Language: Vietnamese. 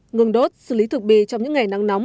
ngừng đốt xử lý thực bì trong những ngày nắng nóng